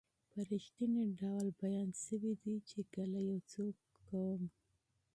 په رښتني ډول بیان شوي دي چې کله یو څوک کوم